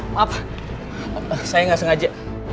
maaf saya gak sengaja